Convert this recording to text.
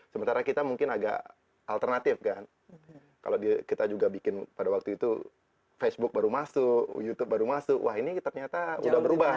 sementara kita mungkin agak alternatif kan kalau kita juga bikin pada waktu itu facebook baru masuk youtube baru masuk wah ini ternyata udah berubah